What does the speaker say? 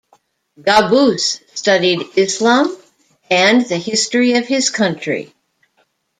Qaboos studied Islam and the history of his country.